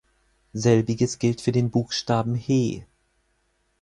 Selbiges gilt für den Buchstaben He.